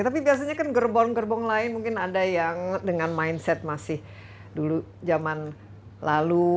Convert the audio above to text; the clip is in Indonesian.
tapi biasanya kan gerbong gerbong lain mungkin ada yang dengan mindset masih dulu zaman lalu